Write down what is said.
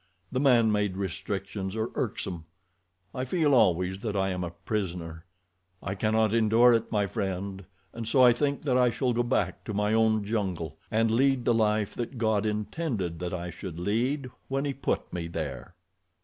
The man made restrictions are irksome. I feel always that I am a prisoner. I cannot endure it, my friend, and so I think that I shall go back to my own jungle, and lead the life that God intended that I should lead when He put me there."